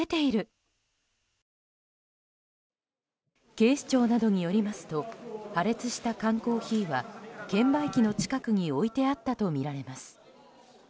警視庁などによりますと破裂した缶コーヒーは券売機の近くに置いてあったとみられます。